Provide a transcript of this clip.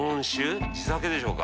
地酒でしょうか？